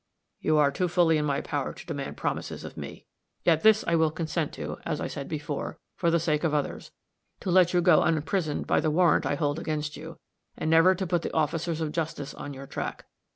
"You are too fully in my power to demand promises of me. Yet this I will consent to, as I said before, for the sake of others to let you go unprisoned by the warrant I hold against you, and never to put the officers of justice on your track.